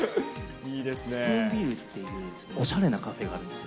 スプーンビルっていうおしゃれなカフェがあるんですよ。